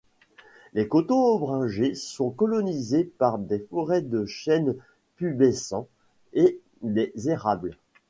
Les coteaux ombragés sont colonisés par des forêts de chênes pubescents et des érables.